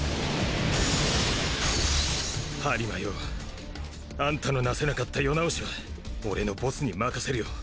張間よあんたの成せなかった世直しは俺のボスに任せるよ。